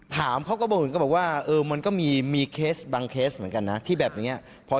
ถามหมอไหมพี่